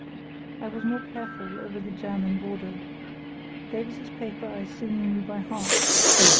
I was more careful over the German border. Davies's paper I soon knew by heart.